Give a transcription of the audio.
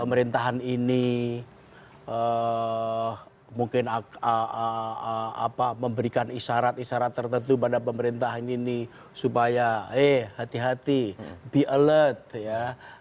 pemerintahan ini mungkin memberikan isyarat isyarat tertentu pada pemerintahan ini supaya eh hati hati be alert ya